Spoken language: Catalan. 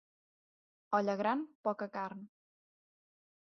Olla gran, poca carn.